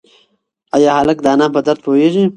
ایا هلک د انا په درد پوهېږي؟